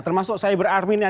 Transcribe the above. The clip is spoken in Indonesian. termasuk cyber army nya